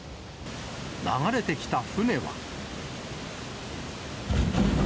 流れてきた船は。